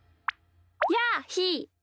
やあひー。